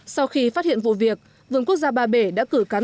sau khi phát hiện vụ việc vườn quốc gia ba bể đã cử cán bộ